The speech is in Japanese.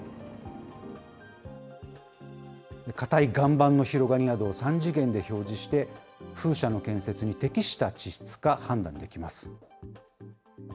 固い岩盤の広がりなどを３次元で表示して、風車の建設に適した地質か判断できます。